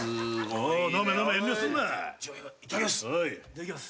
いただきます。